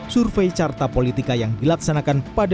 survei carta politika yang dilaksanakan pada dua ribu dua puluh